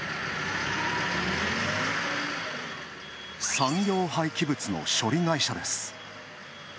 産業廃棄物の処理会社です。